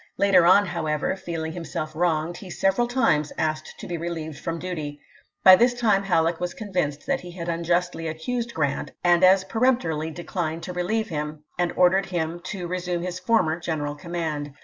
Later on, however, feeling himself wronged, he several times asked to be relieved from duty. By this time Halleck was convinced that he had unjustly accused Grant and Haiierk ^^ peremptorily declined to relieve him, and ordered MLrch'i*: hioa to resume his former general command.